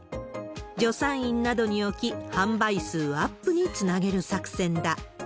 助産院などに置き、販売数アップにつなげる作戦だ。